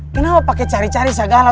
kenapa pakai cari cari segala